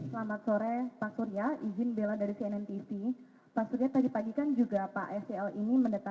meminta angka yang veteran